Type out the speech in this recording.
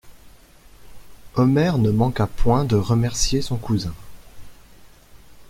Omer ne manqua point de remercier son cousin.